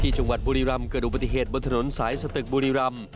ที่จังหวัดบุรีรัมป์เกิดอุปติเหตุบนถนนสายสตึกบุรีรัมพ์